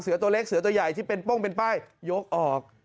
ตัวเล็กเสือตัวใหญ่ที่เป็นโป้งเป็นป้ายยกออก